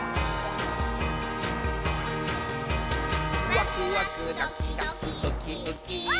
「ワクワクドキドキウキウキ」ウッキー。